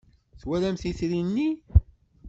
Twalamt itri-nni?